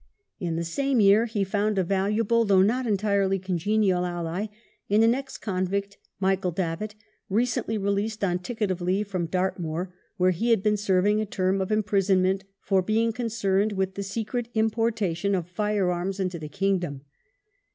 In the same year he found a valuable, though not entirely congenial, ally in an ex convict, Michael Davitt, recently released on ticket of leave from Dartmoor where he had been serving a term of imprisonment for being concerned with the secret importation of fire arms into the kingdom.